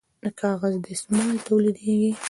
د کاغذ دستمال تولیدیږي